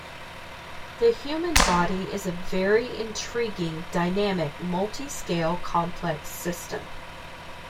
The human body is a very intriguing dynamic multi-scale complex system.